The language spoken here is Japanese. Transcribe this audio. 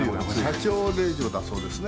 社長令嬢だそうですね。